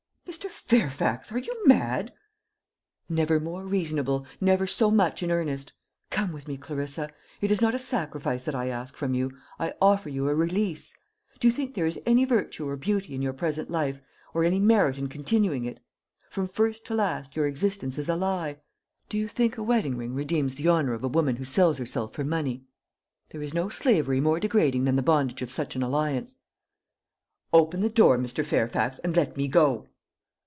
"Mr. Fairfax! are you mad?" "Never more reasonable never so much in earnest. Come with me, Clarissa. It is not a sacrifice that I ask from you: I offer you a release. Do you think there is any virtue or beauty in your present life, or any merit in continuing it? From first to last, your existence is a lie. Do you think a wedding ring redeems the honour of a woman who sells herself for money? There is no slavery more degrading than the bondage of such an alliance." "Open the door, Mr. Fairfax, and let me go!"